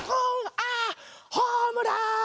あホームラン！